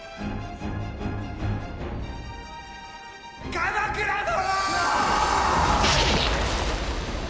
鎌倉殿！